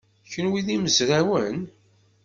Kenwi d imezrawen?